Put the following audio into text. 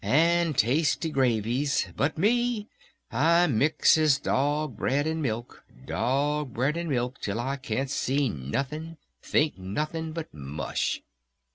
And tasty gravies. But me I mixes dog bread and milk dog bread and milk till I can't see nothing think nothing but mush.